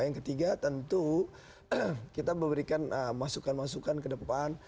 yang ketiga tentu kita memberikan masukan masukan ke depan